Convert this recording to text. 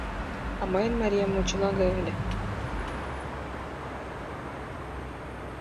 А мыйын марием мочыла гай ыле.